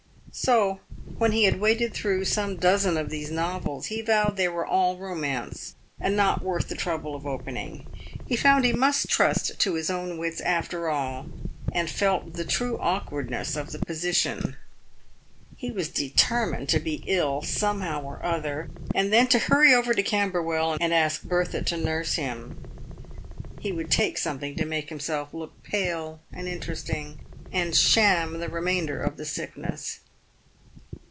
So, when he had waded through some dozen of these novels, he vowed they were all romance, and not worth the trouble of opening, He found he must trust to his own wits after all, and felt the true awkwardness of the position. He was determined to be ill somehow or other, and then to hurry over to Camberwell and ask Bertha to nurse him. He would take something to make himself look pale and interesting, and sham the remainder of the sickness.